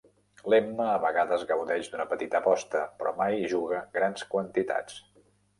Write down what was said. L'Emma a vegades gaudeix d'una petita aposta, però mai juga grans quantitats.